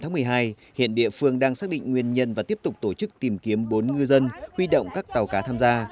ngày một mươi hai hiện địa phương đang xác định nguyên nhân và tiếp tục tổ chức tìm kiếm bốn ngư dân huy động các tàu cá tham gia